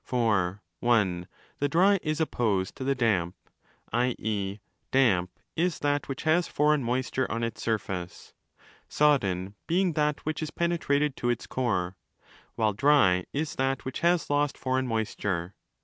* For (i) the dry is opposed to the damp: i.e. 'damp' is that which has foreign moisture on its surface ('sodden' being that which is penetrated to its core*), while 'dry'® is that which has lost foreign moisture.